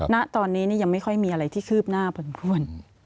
ณตอนนี้ยังไม่ค่อยมีอะไรที่คืบหน้าผันควร